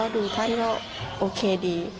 ดูท่านก็โอเคดี